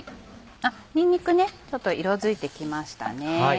あっにんにくねちょっと色づいて来ましたね。